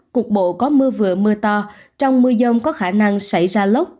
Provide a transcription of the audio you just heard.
cục bộ có mưa vừa mưa to trong mưa dông có khả năng xảy ra lốc